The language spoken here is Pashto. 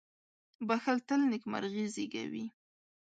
• بښل تل نېکمرغي زېږوي.